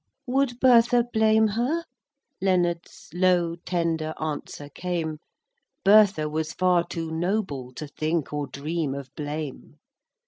XI. "Would Bertha blame her?" Leonard's Low, tender answer came: "Bertha was far too noble To think or dream of blame."